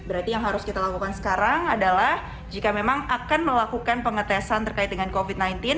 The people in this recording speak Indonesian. berarti yang harus kita lakukan sekarang adalah jika memang akan melakukan pengetesan terkait dengan covid sembilan belas